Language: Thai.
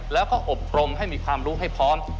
แล้วก็อบรมให้มีความรู้ให้พร้อม